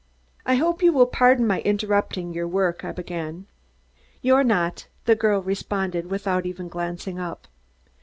"I hope you will pardon my interrupting your work " I began. "You're not," the girl responded, without even glancing up.